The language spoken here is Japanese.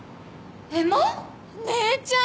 姉ちゃん！